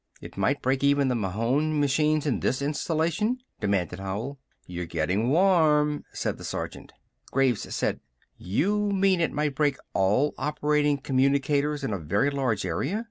"It might break even the Mahon machines in this installation?" demanded Howell. "You're gettin' warm," said the sergeant. Graves said: "You mean it might break all operating communicators in a very large area?"